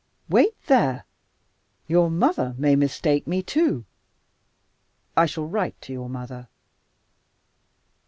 Wait there. Your mother may mistake me too. I shall write to your mother."